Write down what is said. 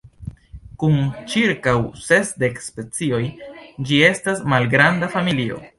Kun ĉirkaŭ sesdek specioj ĝi estas malgranda familio.